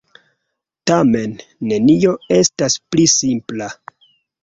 Tamen, nenio estas pli simpla.